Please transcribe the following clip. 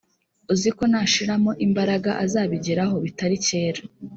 uziko nashiramo imbaraga azabigeraho bitari kera